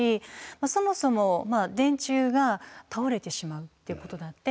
そもそも電柱が倒れてしまうっていうことだってあるわけです。